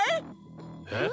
えっ？